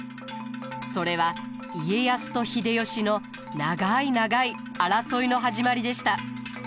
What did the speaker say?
それは家康と秀吉の長い長い争いの始まりでした。